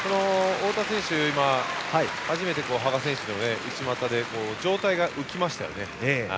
太田選手、初めて羽賀選手の内股で上体が浮きましたよね。